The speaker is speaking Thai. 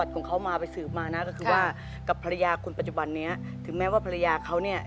ก็คือว่ากับภรรยาคุณปัจจุบันเนี้ยถึงแม้ว่าภรรยาเขาเนี้ย